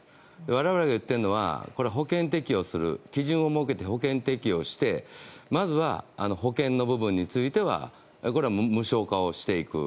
我々が言ってるのは基準を設けて保険適用してまずは、保険の部分についてはこれは無償化をしていく。